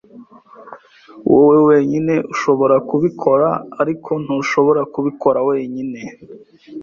Wowe wenyine ushobora kubikora, ariko ntushobora kubikora wenyine.